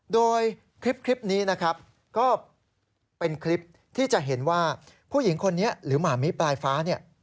โดยคลิปนี้นะครับก็เป็นคลิปที่จะเห็นว่าผู้หญิงคนนี้หรือหมามิปลายฟ้าเนี่ย